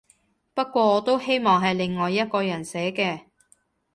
不過我都希望係另外一個人寫嘅